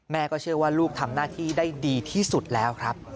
เชื่อว่าลูกทำหน้าที่ได้ดีที่สุดแล้วครับ